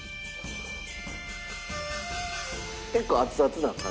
結構熱々な感じ？